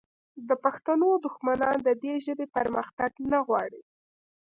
د پښتنو دښمنان د دې ژبې پرمختګ نه غواړي